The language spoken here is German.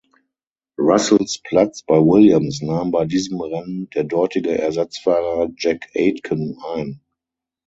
Russells Platz bei Williams nahm bei diesem Rennen der dortige Ersatzfahrer Jack Aitken ein.